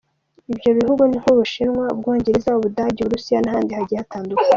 Ibyo bihugu ni nk’ubushinwa, Ubwongereza, Ubudage, Uburusiya n’ahandi hagiye hatandukanye.